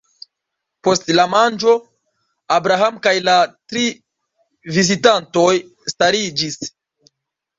Post la manĝo, Abraham kaj la tri vizitantoj stariĝis.